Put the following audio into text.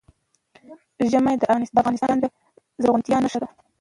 ژمی د افغانستان د زرغونتیا نښه ده.